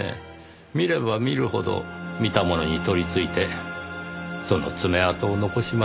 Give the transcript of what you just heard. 見れば見るほど見た者に取りついてその爪痕を残します。